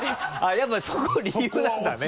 やっぱそこ理由なんだね